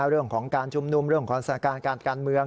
เรื่องของการชุมนุมเรื่องของสถานการณ์การการเมือง